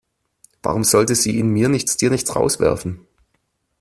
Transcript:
Warum sollte sie ihn nicht mir nichts, dir nichts rauswerfen?